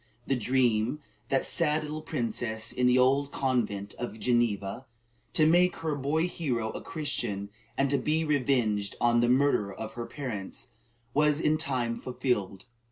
The dream of that sad little princess in the old convent at Geneva, "to make her boy hero a Christian, and to be revenged on the murderer of her parents," was in time fulfilled.